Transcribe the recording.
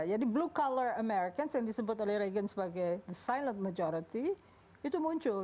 jadi blue collar americans yang disebut oleh reagan sebagai silent majority itu muncul